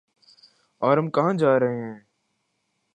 اورہم کہاں جارہے ہیں؟